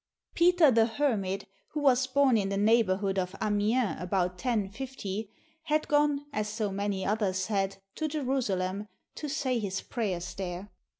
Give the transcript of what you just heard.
] Peter the Hermit, who was born in the neighborhood of Amiens about 1050, had gone, as so many others had, to Jerusalem, " to say his prayers there."